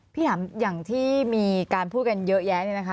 พี่ถามอย่างที่มีการพูดกันเยอะแยะ